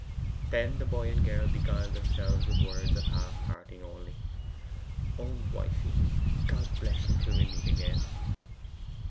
Then the boy and girl beguiled themselves with words of half parting only. 'Own wifie, God bless you till we meet again!